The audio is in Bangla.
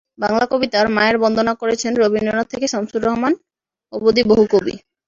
বাংলা কবিতায় মায়ের বন্দনা করেছেন রবীন্দ্রনাথ থেকে শামসুর রাহমান অবধি বহু কবি।